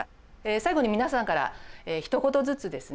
最後に皆さんからひと言ずつですね